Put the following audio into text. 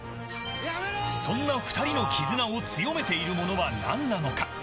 そんな２人の絆を強めているものは何なのか。